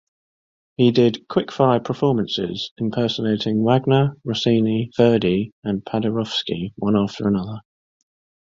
He did quick-fire performances, impersonating Wagner, Rossini, Verdi and Paderewski one after another.